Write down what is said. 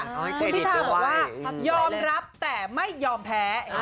คุณพิธาบอกว่ายอมรับแต่ไม่ยอมแพ้